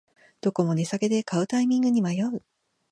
どこも値下げで買うタイミングに迷う